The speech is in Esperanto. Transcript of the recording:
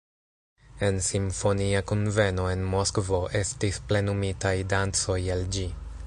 En simfonia kunveno en Moskvo estis plenumitaj dancoj el ĝi.